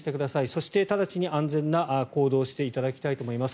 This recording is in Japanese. そして直ちに安全な行動をしていただきたいと思います。